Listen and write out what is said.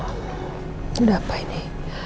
udah apa ini